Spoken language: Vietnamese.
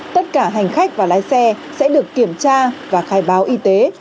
tất cả hành khách và lái xe sẽ được kiểm soát